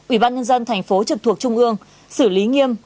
ủy ban nhân dân thành phố trực thuộc trung ương xử lý nghiêm